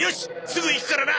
すぐ行くからな！